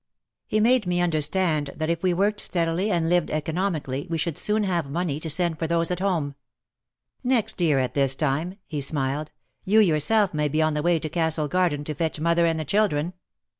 He made me understand that if we worked steadily and lived economically we should soon have money to send for those at home. "Next year at this time," he smiled, 69 70 OUT OF THE SHADOW "you yourself may be on the way to Castle Garden to fetch mother and the children."